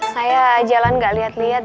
saya jalan gak liat liat